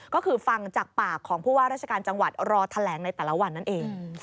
ก็คือฟังจากปากของผู้ว่าราชการจังหวัดรอแถลงในแต่ละวันนั่นเอง